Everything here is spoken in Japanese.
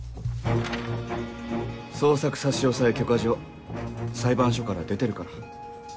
捜索差押許可状裁判所から出てるから。